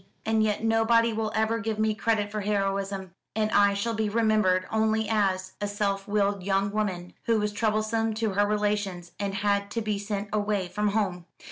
And yet nobody will ever give me credit for heroism; and I shall be remembered only as a self willed young woman, who was troublesome to her relations, and had to be sent away from home."